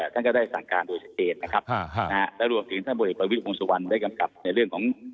ท่านก็ได้สั่งการโดยชัดเจนนะครับและรวมถึงท่านบริเอกประวิทย์วงสุวรรณได้กำกับในเรื่องของ